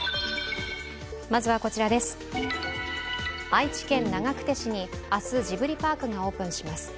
愛知県長久手市に明日ジブリパークがオープンします。